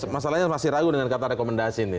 masalahnya masih ragu dengan kata rekomendasi ini